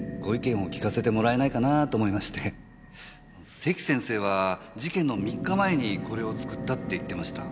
関先生は事件の３日前にこれを作ったって言ってました。